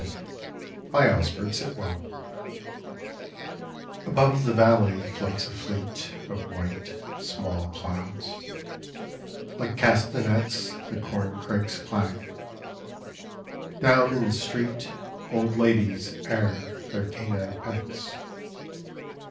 11 OSBERT SITWELL. ENGLISH GOTHIC. ABOVE the valley floats a fleet Of white, small clouds. Like castenets The corn crakes clack ; down in the street Old ladies air their canine pets.